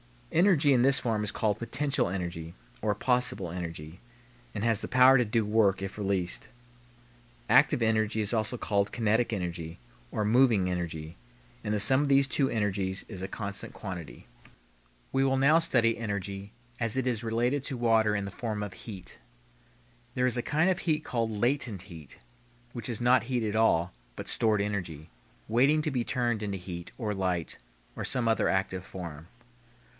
Energy in this form is called potential (possible) energy, and has the power to do work if released. Active energy is called kinetic (moving) energy, and the sum of these two energies is a constant quantity. We will now study energy as it is related to water in the form of heat. There is a kind of heat called "latent heat," which is not heat at all, but stored energy, waiting to be turned into heat, or light, or some other active form.